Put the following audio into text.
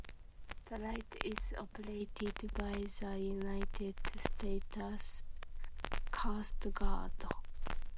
The light is operated by the United States Coast Guard.